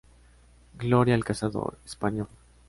Gloria al Cazador ¡Español!